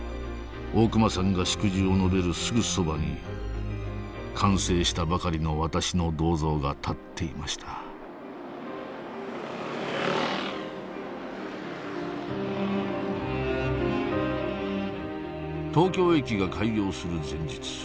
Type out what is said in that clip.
大隈さんが祝辞を述べるすぐそばに完成したばかりの私の銅像が建っていました東京駅が開業する前日。